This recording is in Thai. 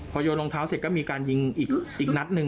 พอโยนรองเท้าเสร็จก็มีการยิงอีกนัดหนึ่ง